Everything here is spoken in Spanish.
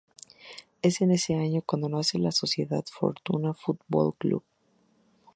Es en ese año cuando nace la sociedad Fortuna Foot-Ball Club.